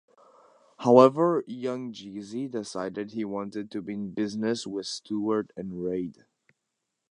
However, Young Jeezy decided he wanted to be in business with Stewart and Reid.